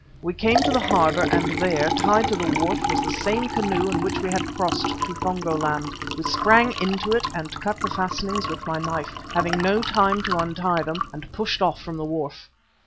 We came to the harbour and there, tied to the wharf, was the same canoe in which we had crossed to Pongo land. We sprang into it and cut the fastenings with my knife, having no time to untie them, and pushed off from the wharf.